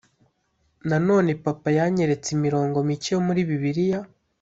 Nanone Papa yanyeretse imirongo mike yo muri Bibiliya